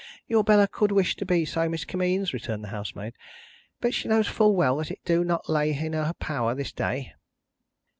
"Your Bella could wish to be so, Miss Kimmeens," returned the housemaid, "but she knows full well that it do not lay in her power this day."